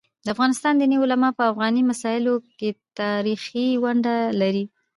د افغانستان دیني علماء په افغاني مسايلو کيتاریخي ونډه لري.